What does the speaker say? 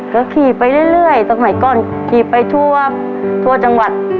ก็ขี่ไปเรื่อยสมัยก่อนขี่ไปทั่วจังหวัด